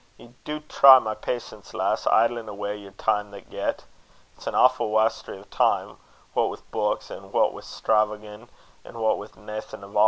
ye do try my patience, lass, idlin' awa' yer time that get. It's an awfu' wastery o' time, what wi' beuks, an' what wi' stravaguin', an' what wi' naething ava.